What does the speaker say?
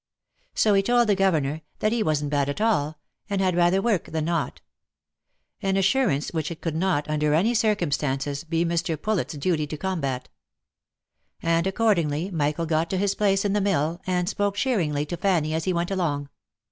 So he told the gover nor that he wasn't bad at all, and had rather work than not; an assurance, which it could not, under any circumstances, be Mr. Poulet's duty to combat ; and accordingly Michael got to his place in the mill, and spoke cheeringly to Fanny as he went along.